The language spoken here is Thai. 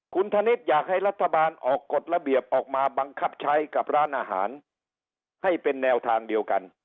คุณธนิษฐ์อยากให้รัฐบาลออกกฎระเบียบออกมาบังคับใช้กับร้านอาหารให้เป็นแนวทางเดียวกัน